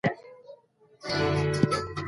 د بهرنیو پالیسي په تطبیق کي همږغي کمه نه ده.